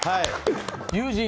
友人。